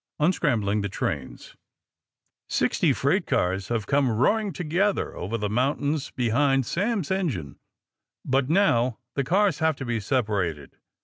UNSCRAMBLING THE TRAINS Sixty freight cars have come roaring together over the mountains behind Sam's engine. But now the cars have to be separated.